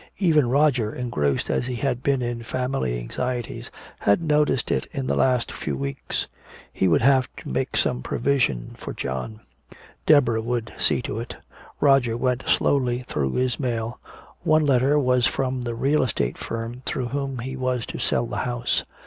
Even Roger, engrossed as he had been in family anxieties, had noticed it in the last few weeks. He would have to make some provision for John. Deborah would see to it.... Roger went slowly through his mail. One letter was from the real estate firm through whom he was to sell the house.